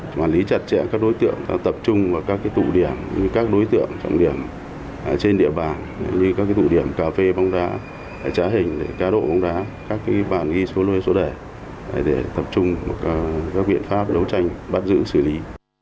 quản lý chặt chẽ các đối tượng tập trung vào các tụ điểm các đối tượng trọng điểm trên địa bàn như các tụ điểm cà phê bóng đá trá hình cá độ bóng đá các bản ghi số lô số đẻ để tập trung các biện pháp đấu tranh bắt giữ xử lý